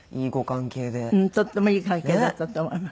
とってもいい関係だったと思います。